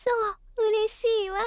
うれしいわ。